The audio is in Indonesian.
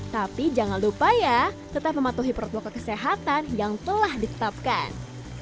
tapi jangan lupa ya tetap mematuhi protokol kesehatan yang telah ditetapkan